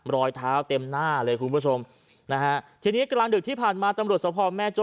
รอยเท้าเต็มหน้าเลยคุณผู้ชมนะฮะทีนี้กลางดึกที่ผ่านมาตำรวจสภแม่โจ้